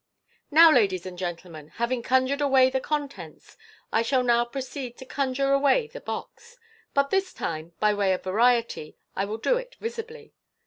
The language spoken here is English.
"Now, ladies and gentlemen, having conjured away the contents, I shall now proceed to conjure away the box j but this time, by way of variety, I will do it visibly.